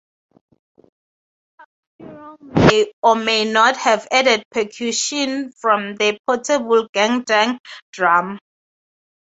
The kapanirong may or may not have added percussion from the portable gandang drum.